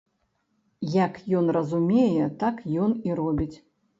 Як ён разумее, так ён і робіць.